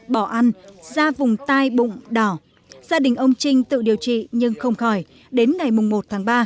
bỏ ăn ra vùng tai bụng đỏ gia đình ông trinh tự điều trị nhưng không khỏi đến ngày một tháng ba